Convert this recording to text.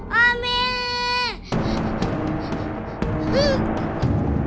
mami ada di dalamku